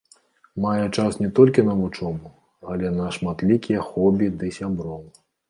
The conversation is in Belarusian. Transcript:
Мае час не толькі на вучобу, але на шматлікія хобі ды сяброў.